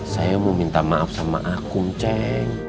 saya mau minta maaf sama akun ceng